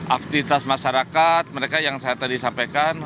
aktivitas masyarakat mereka yang saya tadi sampaikan